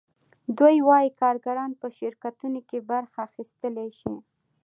دوی وايي کارګران په شرکتونو کې برخه اخیستلی شي